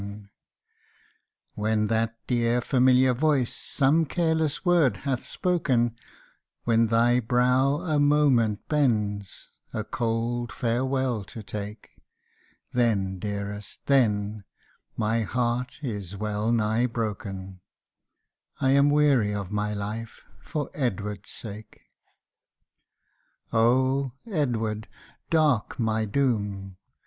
268 EDWARD. When that dear, familiar voice, some careless word hath v spoken, s When thy brow a moment bends, a cold farewell to take ; Then, dearest, then, my heart is well nigh broken, I am weary of my life, for Edward's sake. Olj, Edward ! dark my doom